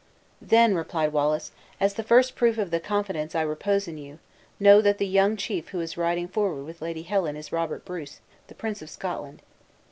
"Then," replied Wallace, "as the first proof of the confidence I repose in you, know that the young chief who is riding forward with Lady Helen is Robert Bruce, the Prince of Scotland.